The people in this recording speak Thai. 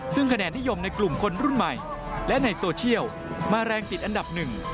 ซึ่งคะแนนนิยมในกลุ่มคนรุ่นใหม่และในโซเชียลมาแรงติดอันดับหนึ่ง